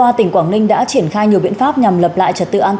anh cứ chấp hành